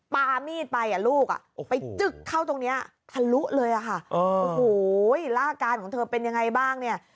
ปามีดไปลูกไปจึ๊กเข้าตรงนี้ทะลุเลยอะค่ะโอ้โหแล้วอาการของเธอเป็นยังไงบ้างเนี่ย